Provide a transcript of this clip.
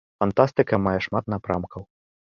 Фантастыка мае шмат напрамкаў.